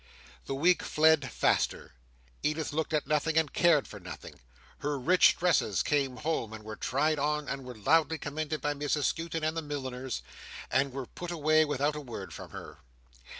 The week fled faster. Edith looked at nothing and cared for nothing. Her rich dresses came home, and were tried on, and were loudly commended by Mrs Skewton and the milliners, and were put away without a word from her.